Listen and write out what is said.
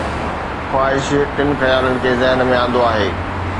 خواهش ٽن خيالن کي ذهن ۾ آندو آهي